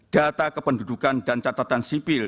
data kependudukan dan catatan sipil